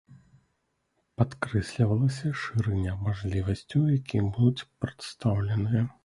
Падкрэслівалася шырыня мажлівасцяў, якія будуць прадстаўленыя.